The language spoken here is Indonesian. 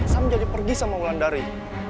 sam jadi pergi sama wulandari